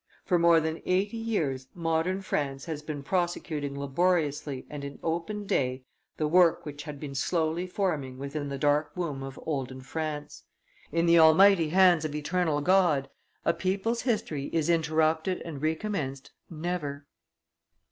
For more than eighty years modern France has been prosecuting laboriously and in open day the work which had been slowly forming within the dark womb of olden France. In the almighty hands of eternal God a people's history is interrupted and recommenced never.